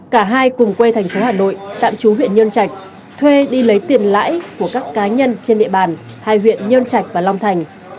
cả hai cùng quê thành phố hà nội tạm chú huyện nhân trạch thuê đi lấy tiền lãi của các cá nhân trên địa bàn hai huyện nhơn trạch và long thành